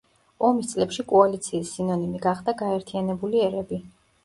ომის წლებში კოალიციის სინონიმი გახდა „გაერთიანებული ერები“.